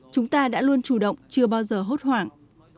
chúng ta đã luôn chủ động chưa bao giờ hốt hoảng